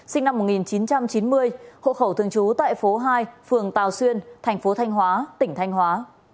sinh năm một nghìn chín trăm chín mươi hộ khẩu thương chú tại phố hai phường tàu xuyên thành phố thanh hóa tỉnh thanh hóa